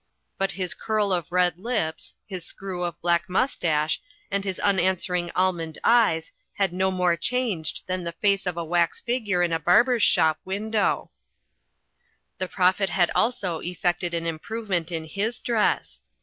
But his curl of red lips, his screw of black mustache, and his unanswering almond eyes had no more changed Digitized by CjOOQI^ VEGETARIANISM 123 than the face of a wax figure in a barber's shop win dow. The Prophet had also effected an improvement in his dress.